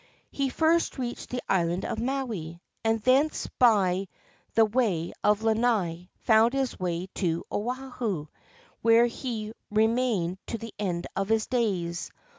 He first reached the island of Maui, and thence by the way of Lanai found his way to Oahu, where he re mained to the end of his days.